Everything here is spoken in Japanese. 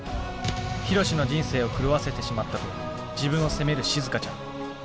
ヒロシの人生を狂わせてしまったと自分を責めるしずかちゃん。